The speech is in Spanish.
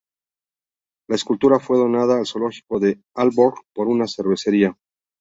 La escultura fue donada al zoológico de Aalborg por una cervecería.